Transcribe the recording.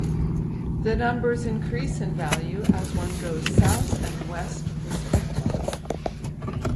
The numbers increase in value as one goes south and west respectively.